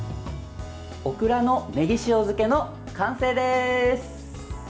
オクラのネギ塩漬けの完成です。